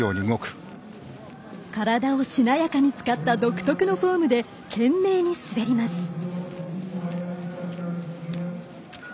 体をしなやかに使った独特のフォームで懸命に滑ります。